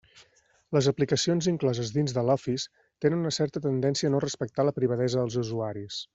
Les aplicacions incloses dins de l'Office tenen una certa tendència a no respectar la privadesa dels usuaris.